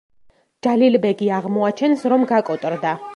ჯალილ ბეგი აღმოაჩენს, რომ გაკოტრდა.